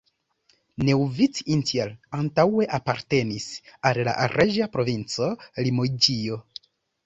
Neuvic-Entier antaŭe apartenis al la reĝa provinco Limoĝio.